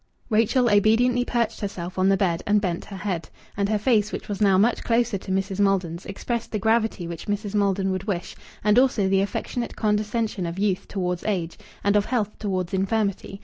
Rachel obediently perched herself on the bed, and bent her head. And her face, which was now much closer to Mrs. Maldon's, expressed the gravity which Mrs. Maldon would wish, and also the affectionate condescension of youth towards age, and of health towards infirmity.